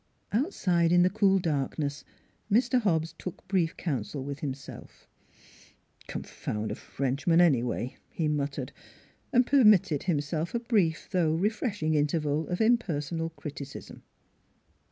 Outside in the cool darkness Mr. Hobbs took brief counsel with himself. "Confound a Frenchman, anyway!" he mut NEIGHBORS 287 tered, and permitted himself a brief though re freshing interval of impersonal criticism.